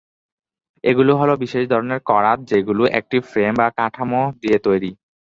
এগুলো হল বিশেষ ধরনের করাত যেগুলো একটি ফ্রেম বা কাঠামো দিয়ে তৈরি।